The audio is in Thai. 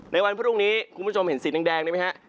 ในวันพรุ่งนี้คุณผู้ชมเห็นสีแดงได้ไหมฮะ